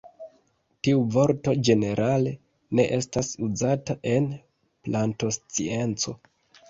Tiu vorto ĝenerale ne estas uzata en plantoscienco.